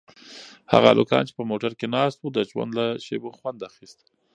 هغه هلکان چې په موټر کې ناست وو د ژوند له شېبو خوند اخیست.